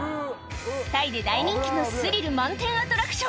タイで大人気のスリル満点アトラクション